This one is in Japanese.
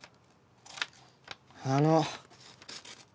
あの。